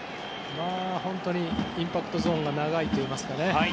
本当にインパクトゾーンが長いといいますかね。